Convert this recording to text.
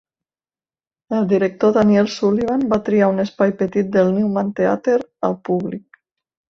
El director Daniel Sullivan va triar un espai petit del Newman Theater al Public.